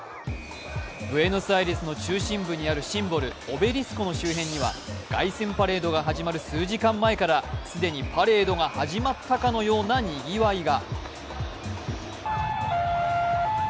ブエノスアイレスの中心部にあるシンボル、オベリスコの周辺には凱旋パレードが始まる数時間前から既にパレードが始まったかのようなにぎわいが。